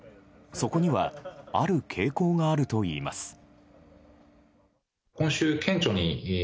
そこには、ある傾向があるといいます。